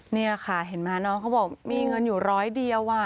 นี่ค่ะเห็นไหมน้องเขาบอกมีเงินอยู่ร้อยเดียว